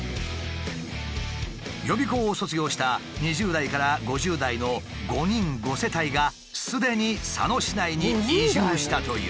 予備校を卒業した２０代から５０代の５人５世帯がすでに佐野市内に移住したという。